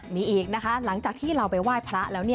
มีอีกนะคะหลังจากที่เราไปไหว้พระแล้ว